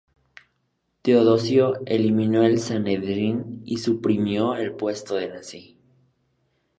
Teodosio eliminó el Sanedrín y suprimió el puesto de Nasi.